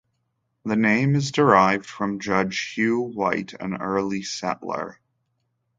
The name is derived from Judge Hugh White, an early settler.